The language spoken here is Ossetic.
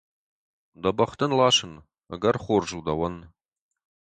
Дӕ бӕх дын ласын, ӕгӕр хорз у дӕуӕн.